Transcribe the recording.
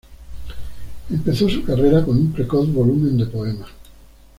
Empezó su carrera con un precoz volumen de poemas.